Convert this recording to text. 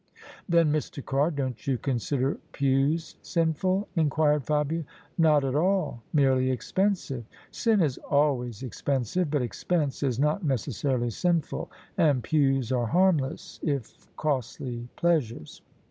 " Then, Mr. Carr, don't you consider pews sinful ?" inquired Fabia. " Not at all : merely expensive. Sin is always expensive, but expense is not necessarily sinful : and pews are harmless, if costly pleasures."